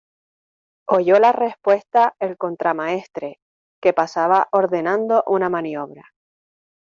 oyó la respuesta el contramaestre, que pasaba ordenando una maniobra